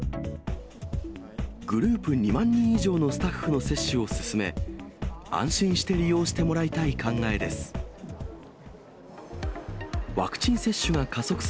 グループ２万人以上のスタッフの接種を進め、安心して利用してもらいたい考えです。